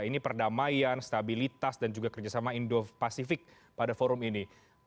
ini perdamaian stabilitas dan juga kerjasama indo pasifik pada forum ini